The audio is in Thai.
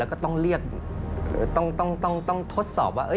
แล้วก็ต้องเรียกต้องทดสอบว่า